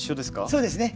そうですね